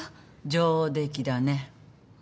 上出来だね。